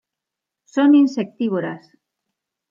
Son Insectívoras.